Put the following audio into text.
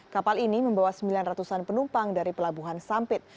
kapal ini membawa sembilan ratus an penumpang dari pelabuhan sampit